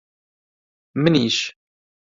منیش!